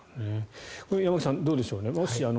山口さん、どうでしょう。